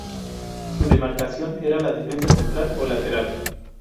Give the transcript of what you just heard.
Su demarcación era la de defensa central o lateral.